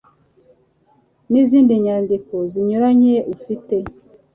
n'izindi nyandiko zinyuranye ufite